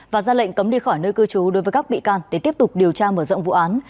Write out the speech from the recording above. và ra lệnh cấm đi khỏi nơi cư trú đối với các bị can để tiếp tục điều tra mở rộng vụ án